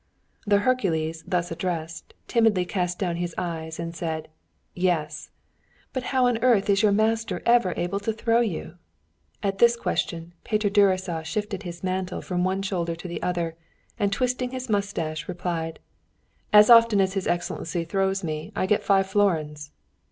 The Hercules, thus addressed, timidly cast down his eyes and said: 'Yes!' 'But how on earth is your master ever able to throw you?' At this question, Peter Gyuricza shifted his mantle from one shoulder to the other, and twisting his moustache, replied: 'As often as his Excellency throws me I get five florins.'